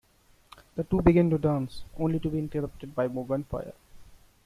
The two begin to dance, only to be interrupted by more gunfire.